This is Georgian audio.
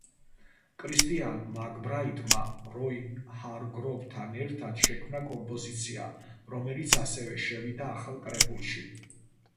კრისტიან მაკბრაიტმა როი ჰარგროვთან ერთად შემქნა კომპოზიცია, რომელიც ასევე შევიდა ახლ კრებულში.